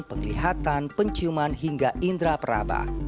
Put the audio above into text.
penglihatan penciuman hingga indera peraba